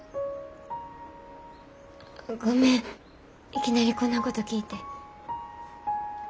ごめんいきなりこんなこと聞いて。